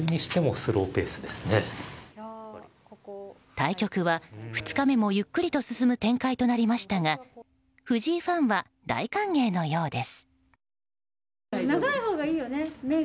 対局は２日目もゆっくりと進む展開となりましたが藤井ファンは大歓迎のようです。